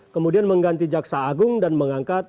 kemudian mengganti jaksa agung dan mengangkat